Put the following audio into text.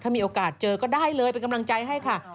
มีโอกาสเจอก็ได้เลยเป็นกำลังใจให้ค่ะ